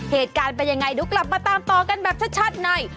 เหตุการณ์เป็นยังไงเดี๋ยวกลับมาตามต่อกันแบบชัดใน